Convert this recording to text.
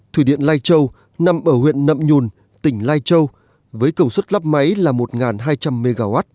thủy điện lai châu nằm ở huyện nậm nhùn tỉnh lai châu với công suất lắp máy là một hai trăm linh mw